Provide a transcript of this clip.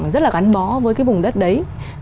rất là gắn bó với cái vùng đất đấy